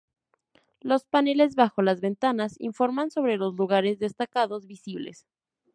Los paneles bajo las ventanas informan sobre los lugares destacados visibles.